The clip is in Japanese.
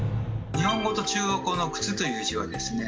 日本語と中国語の「靴」という字はですね